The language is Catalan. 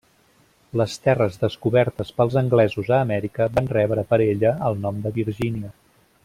Les terres descobertes pels anglesos a Amèrica van rebre per ella el nom de Virgínia.